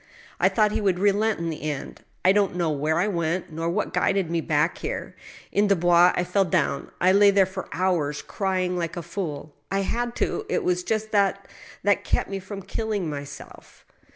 I thought he would relent in the end. I don't know where I went, nor what guided me back here. In the Bois I fell down. I lay there for hours, crying like a fool — I had to ; it was just that that kept me from killing myself."